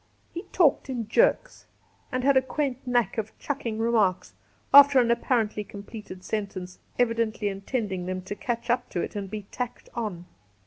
He talked in jerks, and had a quaint knack of chucking remarks after an apparently completed sentence, evidently intending them to catch up to it and be tacked on.